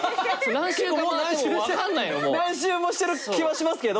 何周もしてる気はしますけど。